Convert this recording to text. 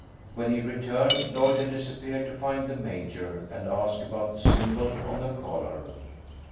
When he returned Lloyd had disappeared to find the Major, and ask about the symbol on the collar.